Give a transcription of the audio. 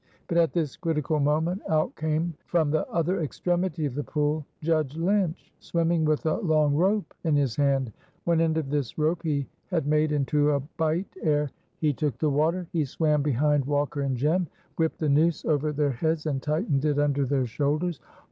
But at this critical moment out came from the other extremity of the pool Judge Lynch, swimming with a long rope in his hand; one end of this rope he had made into a bight ere he took the water. He swam behind Walker and Jem, whipped the noose over their heads and tightened it under their shoulders.